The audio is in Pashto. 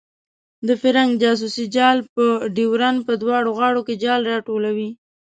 د فرنګ جاسوسي جال په ډیورنډ په دواړو غاړو کې جال راټولوي.